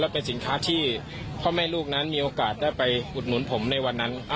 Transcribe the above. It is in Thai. เป็นสินค้าที่พ่อแม่ลูกนั้นมีโอกาสได้ไปอุดหนุนผมในวันนั้น